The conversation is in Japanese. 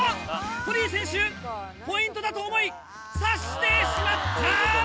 トニー選手ポイントだと思いさしてしまった！